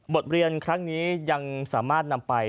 บทเรียนครั้งนี้ยังสามารถนำไป